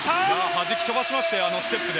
弾き飛ばしましたよ、あのステップで。